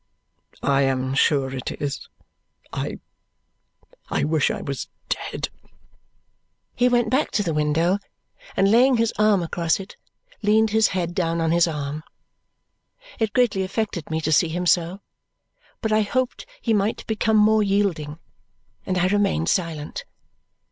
"I am sure it is. I I wish I was dead!" He went back to the window, and laying his arm across it, leaned his head down on his arm. It greatly affected me to see him so, but I hoped he might become more yielding, and I remained silent.